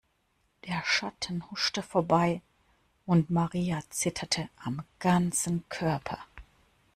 Der Schatten huschte vorbei und Maria zitterte am ganzen Körper.